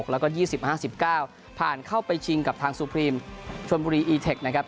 แล้วก็๒๐๕๙ผ่านเข้าไปชิงกับทางซูพรีมชนบุรีอีเทคนะครับ